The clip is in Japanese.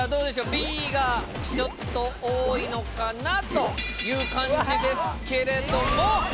Ｂがちょっと多いのかなという感じですけれども。